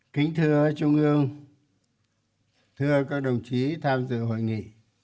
kính thưa trung ương thưa các đồng chí tham dự hội nghị